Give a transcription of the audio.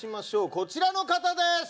こちらの方です！